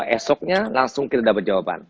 esoknya langsung kita dapat jawaban